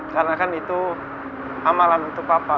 karena kan itu amalan untuk papa